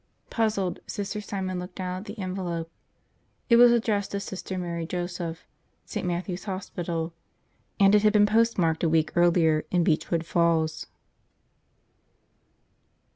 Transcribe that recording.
Puzzled, Sister Simon looked down at the envelope. It was addressed to Sister Mary Joseph, St. Matthew's Hospital. And it had been postmarked a week earlier in Beechwood Falls.